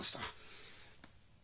すいません。